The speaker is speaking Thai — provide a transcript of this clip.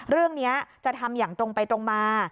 เรื่องนี้จะทำอย่างตรงไปตรงมา